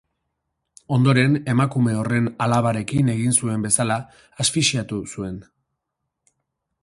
Ondoren, emakume horren alabarekin egin zuen bezala, asfixiatu zuen.